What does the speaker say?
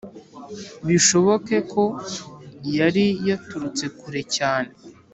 bishoboke ko yari yaturutse kure cyane!